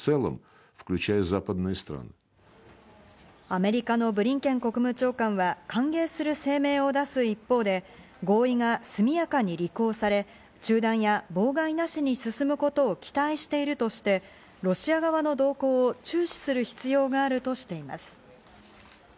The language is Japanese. アメリカのブリンケン国務長官は、歓迎する声明を出す一方で、合意が速やかに履行され、中断や妨害なしに進むことを期待しているとしてロシア側の動向を注視する必要があるとしています。